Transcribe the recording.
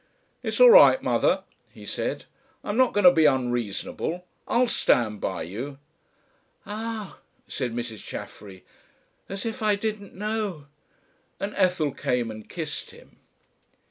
"It's all right, Mother," he said. "I'm not going to be unreasonable. I'll stand by you." "Ah!" said Mrs. Chaffery. "As if I didn't know!" and Ethel came and kissed him.